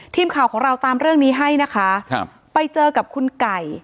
ทีมข่าวของเราตามเรื่องนี้ให้นะคะครับไปเจอกับคุณไก่